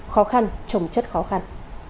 khó khăn trồng chất khó khăn